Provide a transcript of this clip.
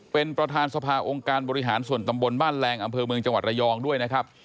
เป็นประธานสภาองค์การบริหารส่วนตำบลบ้านแรงอำเภอเมืองจังหวัดระยองด้วยนะครับ